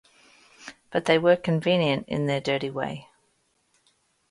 But they were convenient in their dirty way.